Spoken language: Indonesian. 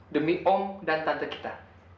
demi om dan tante kita